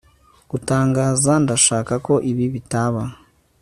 gutangaza Ndashaka ko ibi bitaba